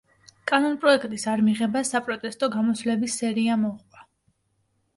კანონპროექტის არმიღებას საპროტესტო გამოსვლების სერია მოჰყვა.